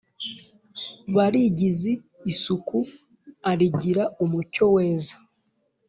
barigize isuku arigira umucyo weza,